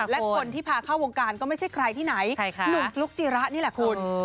และคนที่พาเข้าวงการก็ไม่ใช่ใครที่ไหนหนุ่มฟลุ๊กจิระนี่แหละคุณ